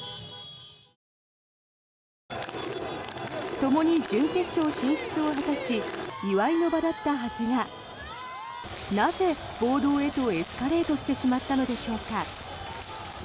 ともに準決勝進出を果たし祝いの場だったはずがなぜ、暴動へとエスカレートしてしまったのでしょうか。